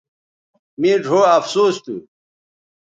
مے ڙھؤ افسوس تھو